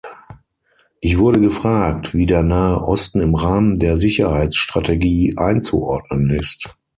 Ich wurde gefragt, wie der Nahe Osten im Rahmen der Sicherheitsstrategie einzuordnen ist.